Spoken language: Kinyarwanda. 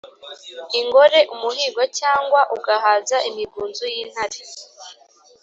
ingore umuhīgo’ cyangwa ugahaza imigunzu y’ intare,